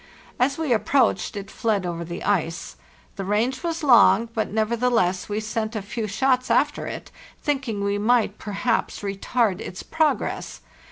As we approached it fled over THE WOUNDED BEAR the ice. The range was long, but, nevertheless, we sent a few shots after it, thinking we might perhaps retard its progress.